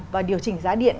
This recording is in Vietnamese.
và điều chỉnh giá điện